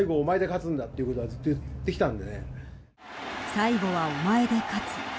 最後はお前で勝つ。